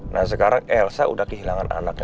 nah sekarang elsa sudah kehilangan anaknya